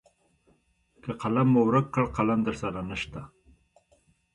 که قلم مو ورک کړ قلم درسره نشته .